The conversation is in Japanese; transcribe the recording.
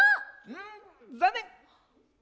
うんざんねん！